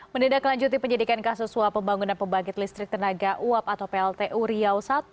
menindaklanjuti penyidikan kasus suap pembangunan pembangkit listrik tenaga uap atau pltu riau i